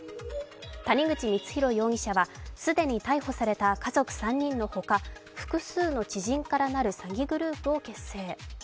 谷口光弘容疑者は既に逮捕された家族３人のほか複数の知人から成る詐欺グループを結成。